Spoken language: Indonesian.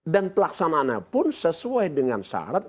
dan pelaksanaannya pun sesuai dengan syarat